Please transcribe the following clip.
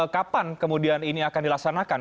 kapan kemudian ini akan dilaksanakan